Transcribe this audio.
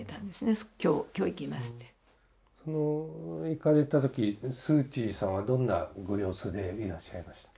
行かれた時スーチーさんはどんなご様子でいらっしゃいました？